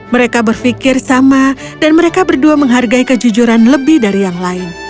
mereka berpikir sama dan mereka berdua menghargai kejujuran lebih dari yang lain